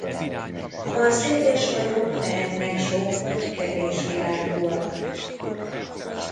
Az egyes fajok lehetnek sok vagy kevés virágúak.